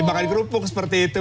makan kerupuk seperti itu